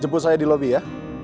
jemput saya di lobi ya